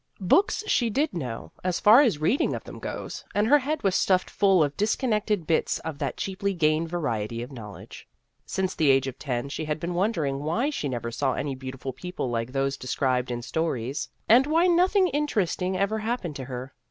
Books she did know, as far as reading of them goes, and her head was stuffed full of disconnected bits of that cheaply gained variety of knowledge. Since the age of ten, she had been wondering why she never saw any beautiful people like those described in stories, and why nothing interesting ever happened to her.